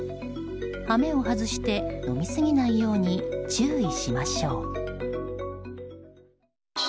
羽目を外して飲みすぎないように注意しましょう。